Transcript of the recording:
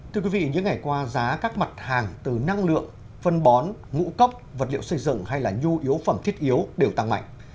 thưa quý vị những ngày qua giá các mặt hàng từ năng lượng phân bón ngũ cốc vật liệu xây dựng hay là nhu yếu phẩm thiết yếu đều tăng mạnh